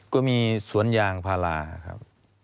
ก็มีสวนยางพาราครับ